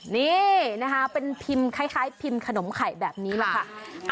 นี่นะคะเป็นพิมพ์คล้ายพิมพ์ขนมไข่แบบนี้แหละค่ะ